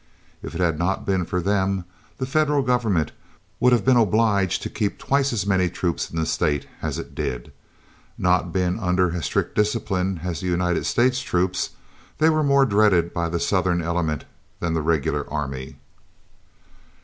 If it had not been for them, the Federal government would have been obliged to keep twice as many troops in the state as it did. Not being under as strict discipline as the United States troops, they were more dreaded by the Southern element than the regular army.